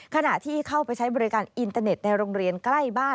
ขณะที่เข้าไปใช้บริการอินเตอร์เน็ตในโรงเรียนใกล้บ้าน